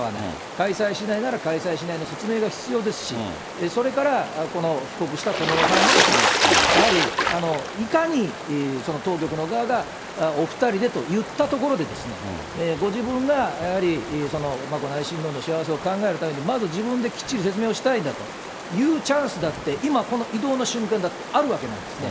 開催しないなら開催しないの説明が必要ですし、それからこの帰国した小室さんも、やはり、いかに当局の側が、お２人でと言ったところでですね、ご自分がやはり、眞子内親王の幸せを考えるために、まず自分できっちり説明をしたいんだというチャンスだって、今、この移動の瞬間だってあるわけなんですね。